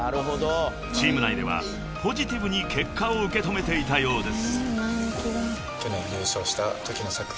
［チーム内ではポジティブに結果を受け止めていたようです］